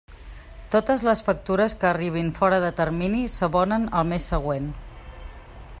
Totes les factures que arribin fora de termini s'abonen el mes següent.